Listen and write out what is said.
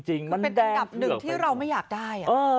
เป็นอันดับ๑ที่เราไม่อยากได้